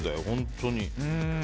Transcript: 本当に。